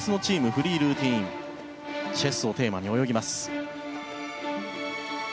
フリールーティンチェスをテーマに泳ぎます。